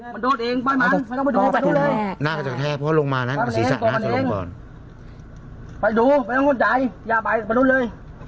มันโดดเองปล่อยมันไม่ต้องไปดูไปดูเลย